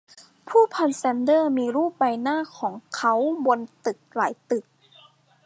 ผู้พันแซนเดอมีรูปใบหน้าของเค้าบนตึกหลายตึก